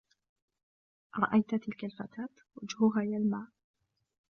رآيت تلك الفتاة؟ وجهها يلمع.